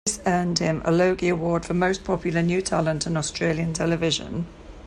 This earned him a Logie Award for Most Popular New Talent on Australian television.